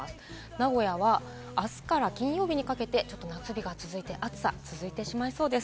名古屋は明日から金曜日にかけて夏日が続いて、暑さが続いてしまいそうです。